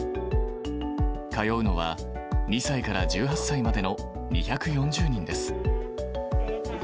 通うのは、２歳から１８歳までの２４０人です。